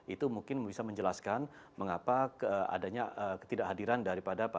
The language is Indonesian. itu mungkin bisa menjelaskan mengapa adanya ketidakhadiran daripada